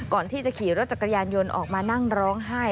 ก่อนที่จะขี่รถจักรยานยนต์ออกมานั่งร้องไห้